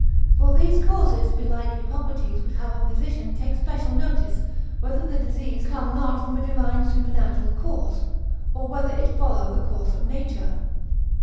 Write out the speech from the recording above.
For these causes belike Hippocrates would have a physician take special notice whether the disease come not from a divine supernatural cause, or whether it follow the course of nature.